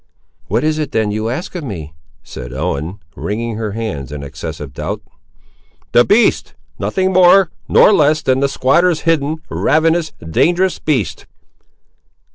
"What is it then you ask of me?" said Ellen, wringing her hands, in excessive doubt. "The beast! nothing more nor less than the squatter's hidden, ravenous, dangerous beast!"